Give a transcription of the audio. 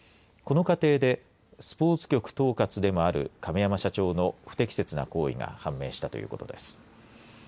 この過程でスポーツ局統括でもある亀山社長の不適切な行為が判明したということです。